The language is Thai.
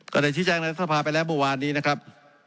ก็ได้ที่แจ้งแล้วท่านพาไปแล้วเมื่อวานนี้นะครับ